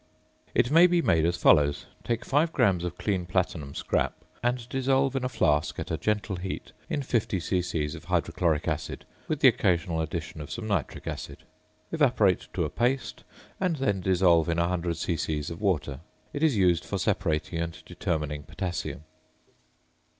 It may be made as follows: Take 5 grams of clean platinum scrap and dissolve in a flask at a gentle heat in 50 c.c. of hydrochloric acid with the occasional addition of some nitric acid; evaporate to a paste; and then dissolve in 100 c.c. of water. It is used for separating and determining potassium.